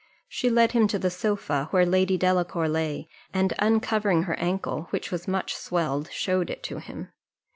She led him to the sofa where Lady Delacour lay, and uncovering her ankle, which was much swelled, showed it to him.